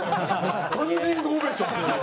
スタンディングオベーション。